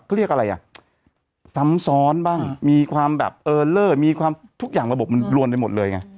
เขาเรียกอะไรอ่ะซ้ำซ้อนบ้างมีความแบบเออเลอร์มีความทุกอย่างระบบมันลวนไปหมดเลยไง